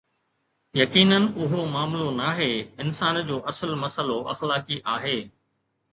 يقينن، اهو معاملو ناهي، انسان جو اصل مسئلو اخلاقي آهي.